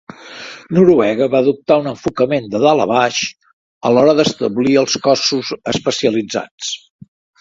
Noruega va adoptar un enfocament de dalt a baix a l'hora d'establir els Cossos Especialitzats.